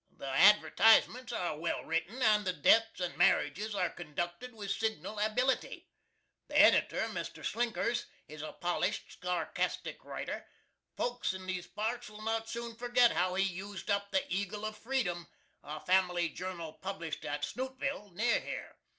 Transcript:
The advertisements are well written, and the deaths and marriages are conducted with signal ability. The editor, MR. SLINKERS, is a polish'd, skarcastic writer. Folks in these parts will not soon forgit how he used up the "Eagle of Freedom," a family journal published at Snootville, near here.